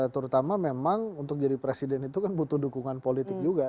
terutama memang untuk jadi presiden itu kan butuh dukungan politik juga